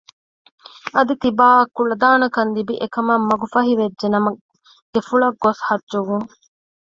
އަދި ތިބާއަށް ކުޅަދާނަކަން ލިބި އެ ކަމަށް މަގު ފަހި ވެއްޖެ ނަމަ ގެފުޅަށް ގޮސް ޙައްޖުވުން